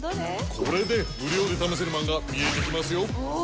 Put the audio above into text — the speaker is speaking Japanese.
これで無料で試せるマンガ、見えてきますよ。